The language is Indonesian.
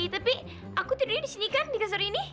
tapi aku tidurnya di sini kan di kasur ini